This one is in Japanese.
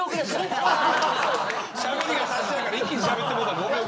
しゃべりが達者やから一気にしゃべってもうたごめんごめん。